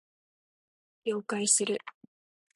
了解する